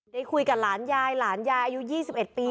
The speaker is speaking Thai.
ได้คุยกับหลานยายหลานยายอายุ๒๑ปี